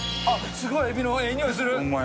すごいエビのええにおいするホンマ